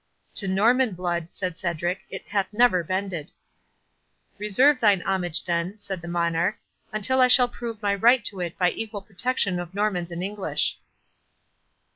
"To Norman blood," said Cedric, "it hath never bended." "Reserve thine homage then," said the Monarch, "until I shall prove my right to it by my equal protection of Normans and English."